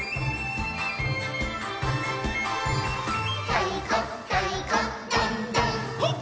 「たいこたいこどんどん」ほっ！